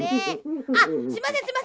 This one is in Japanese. あっすいませんすいません。